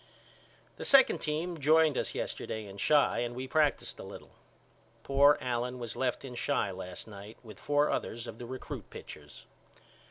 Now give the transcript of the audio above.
The second team joined us yesterday in Chi and we practiced a little. Poor Allen was left in Chi last night with four others of the recrut pitchers.